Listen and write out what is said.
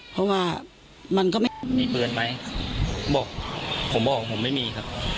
เพราะว่ามันก็ไม่มีปืนไหมบอกผมบอกผมไม่มีครับ